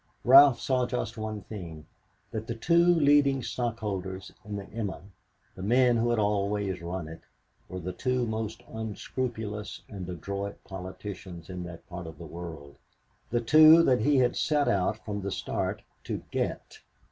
Ralph saw just one thing, that the two leading stockholders in the "Emma," the men who had always run it, were the two most unscrupulous and adroit politicians in that part of the world the two that he had set out from the start to "get."